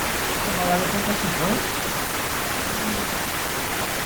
Essa balada é tão cativante? adorei!